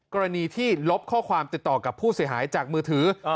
กรณีที่ลบข้อความติดต่อกับผู้เสียหายจากมือถือ